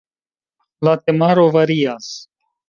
La temaro varias.